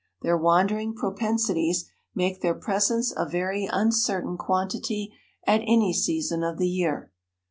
Their wandering propensities make their presence a very uncertain quantity at any season of the year.